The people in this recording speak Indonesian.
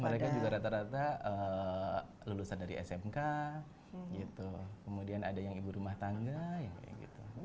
mereka juga rata rata lulusan dari smk gitu kemudian ada yang ibu rumah tangga yang kayak gitu